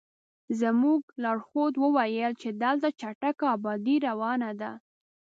زموږ لارښود وویل چې دلته چټکه ابادي روانه ده.